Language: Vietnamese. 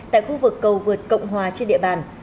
tại khu vực cầu vượt cộng hòa trên địa bàn